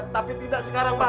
tapi tidak sekarang bang